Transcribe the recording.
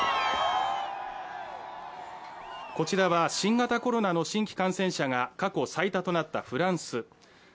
こちらは新型コロナの新規感染者が過去最多となったフランス。